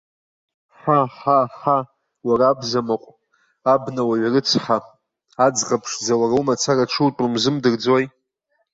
Ҳа, ҳа, ҳа, уара абзамыҟә, абнауаҩ рыцҳа, аӡӷаб ԥшӡа уара умацара дшутәым узымдырӡои.